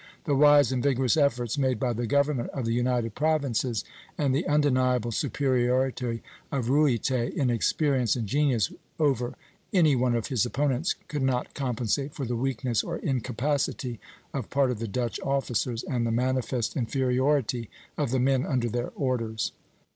The wise and vigorous efforts made by the government of the United Provinces, and the undeniable superiority of Ruyter in experience and genius over any one of his opponents, could not compensate for the weakness or incapacity of part of the Dutch officers, and the manifest inferiority of the men under their orders."